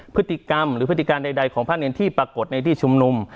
พฤติกรรมหรือพฤติการใดของพระเนรที่ปรากฏในที่ชุมนุม